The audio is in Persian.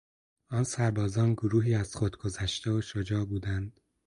آن سربازان گروهی از خود گذشته و شجاع بودند.